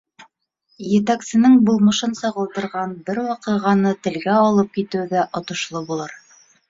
Етәксенең булмышын сағылдырған бер ваҡиғаны телгә алып китеү ҙә отошло булыр.